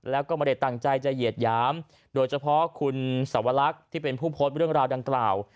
แล้วก็ไม่ได้ตั้งใจจะเหยียดหยามโดยเฉพาะคุณสวรรคที่เป็นผู้โพสต์เรื่องราวดังกล่าว